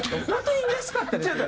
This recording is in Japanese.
本当にうれしかったです。